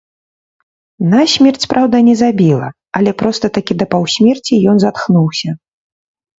Насмерць, праўда, не забіла, але проста такі да паўсмерці ён затхнуўся.